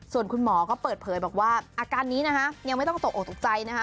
ส่วนคุณหมอก็เปิดเผยบอกว่าอาการนี้นะคะยังไม่ต้องตกออกตกใจนะคะ